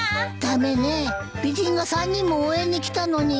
駄目ねえ美人が３人も応援に来たのに。